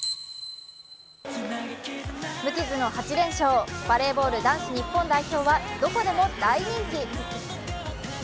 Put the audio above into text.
無傷の８連勝、バレーボール男子日本代表はどこでも大人気。